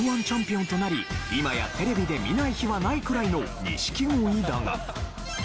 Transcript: Ｍ−１チャンピオンとなり今やテレビで見ない日はないくらいの錦鯉だが。